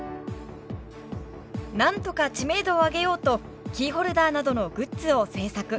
なんとか知名度を上げようとキーホルダーなどのグッズを制作。